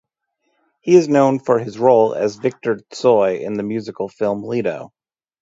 He is known for his role as Viktor Tsoi in the musical film "Leto".